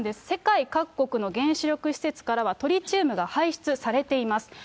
世界各国の原子力施設からは、トリチウムが排出されています。